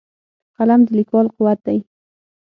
قلم د لیکوال قوت دی